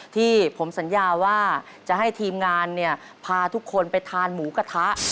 ที่ผมสัญญาว่าจะให้ทีมงานพาทุกคนไปทานหมูกระทะ